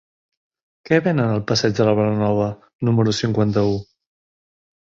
Què venen al passeig de la Bonanova número cinquanta-u?